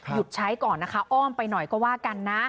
หยุดใช้ก่อนนะคะอ้อมไปหน่อยก็ว่ากันนะ